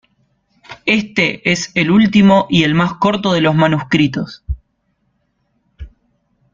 Éste es el último y el más corto de los manuscritos.